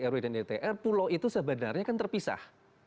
kalau kita pelajari dalam rt rw dan edtr pulau itu sebenarnya kan terpisah